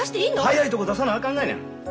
早いとこ出さなあかんがいな。